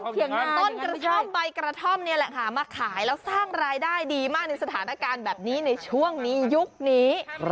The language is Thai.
เขียนนำต้นกระท่อมใบกระท่อมนี่แหละค่ะมาขายแล้วสร้างรายได้ดีมากในสถานการณ์แบบนี้ในช่วงนี้ยุคนี้